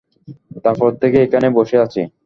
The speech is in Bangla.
তারপর থেকে এইখানে বসে আছি।